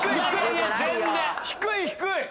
低い低い！